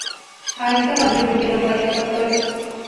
A esto contribuyeron varios factores.